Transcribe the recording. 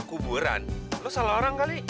kuburan lo salah orang kali